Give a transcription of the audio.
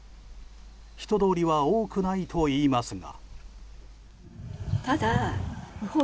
人通りは多くないといいますが。